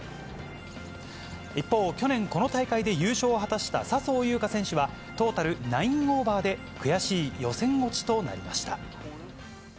一方、去年、この大会で優勝を果たした笹生優花選手は、トータル９オーバーで、悔しい予選落ちとなりました。